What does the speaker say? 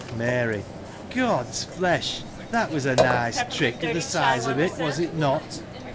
Mary. — God's flesh ! This was a nice trick,^ of the size of it, was it not